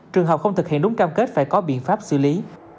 trường hợp không thực hiện đúng cam kết phải có biện pháp xử lý